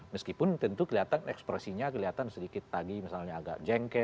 meskipun tentu kelihatan ekspresinya kelihatan sedikit lagi misalnya agak jengkel ya